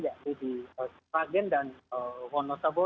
yakni di seragen dan wonosobo